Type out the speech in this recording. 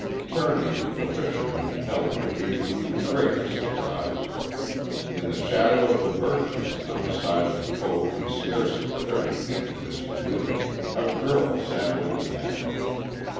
Turning, the fisherman beheld what gave him even greater surprise. In the shadow of the birches, on a side of the cove and scarcely thirty feet from his canoe, a girl sat looking at him.